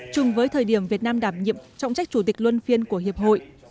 chung với thời điểm việt nam đảm nhiệm trọng trách chủ tịch luân phiên của hiệp hội